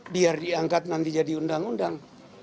biar diangkat nanti jadi undang undang